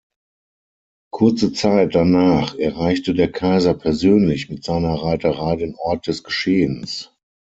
Kurze Zeit danach erreichte der Kaiser persönlich mit seiner Reiterei den Ort des Geschehens.